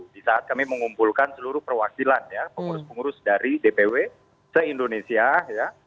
di saat kami mengumpulkan seluruh perwakilan ya pengurus pengurus dari dpw se indonesia ya